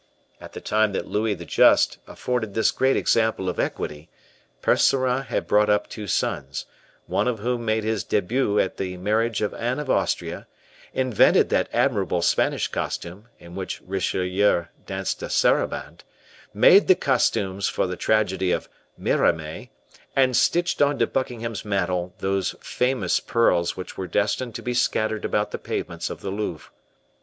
At the time that Louis the Just afforded this great example of equity, Percerin had brought up two sons, one of whom made his debut at the marriage of Anne of Austria, invented that admirable Spanish costume, in which Richelieu danced a saraband, made the costumes for the tragedy of "Mirame," and stitched on to Buckingham's mantle those famous pearls which were destined to be scattered about the pavements of the Louvre.